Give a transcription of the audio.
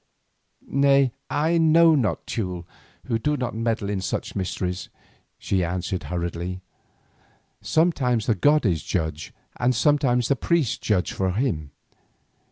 "Nay, I know not, Teule, who do not meddle in such mysteries," she answered hurriedly. "Sometimes the god is judge and sometimes the priests judge for him.